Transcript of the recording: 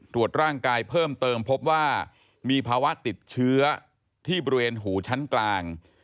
ตรวจร่างกายเพิ่มเติมพบว่ามีภาวะติดเชื้อที่บริเวณหูชั้นกลาง